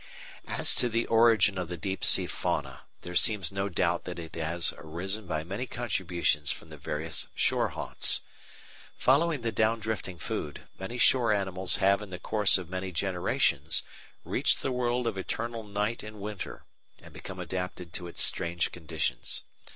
As to the origin of the deep sea fauna, there seems no doubt that it has arisen by many contributions from the various shore haunts. Following the down drifting food, many shore animals have in the course of many generations reached the world of eternal night and winter, and become adapted to its strange conditions.